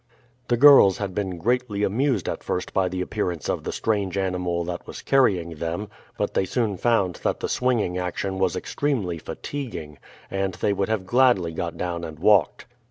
The girls had been greatly amused at first at the appearance of the strange animal that was carrying them; but they soon found that the swinging action was extremely fatiguing, and they would have gladly got down and walked.